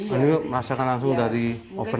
ini yuk merasakan langsung dari oven